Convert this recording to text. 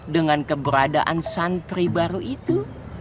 dengan keberadaan santri baru itu